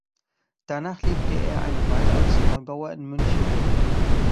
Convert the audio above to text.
Danach lebte er eine Weile als Neubauer in Müncheberg.